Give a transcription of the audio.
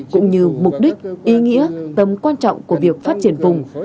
cũng như mục đích ý nghĩa tầm quan trọng của việc phát triển vùng